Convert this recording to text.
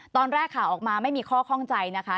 ตอนแรกข่าวออกมาไม่มีข้อข้องใจนะคะ